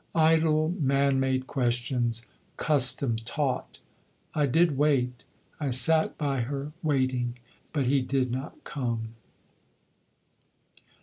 Idle, man made questions, custom taught! I did wait. I sat by her waiting. But he did not come.